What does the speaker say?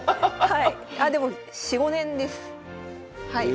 はい。